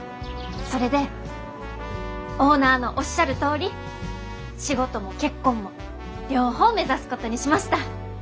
それでオーナーのおっしゃるとおり仕事も結婚も両方目指すことにしました。